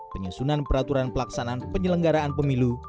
penyusunan peraturan pelaksanaan penyelenggaraan pemilu